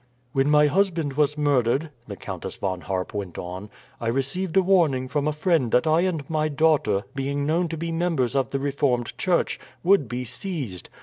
"When my husband was murdered," the Countess Von Harp went on, "I received a warning from a friend that I and my daughter, being known to be members of the Reformed Church, would be seized.